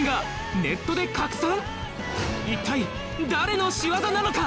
一体誰の仕業なのか？